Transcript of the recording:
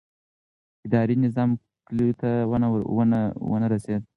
اداري نظام کلیو ته ونه رسېد.